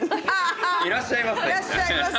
いらっしゃいませ！